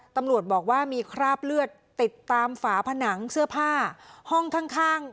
ตำรวจบอกว่ามีคราบเลือดติดตามฝาผนังเสื้อผ้าห้องข้าง